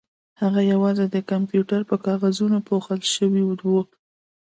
هغه یوازې د کمپیوټر په کاغذونو پوښل شوې وه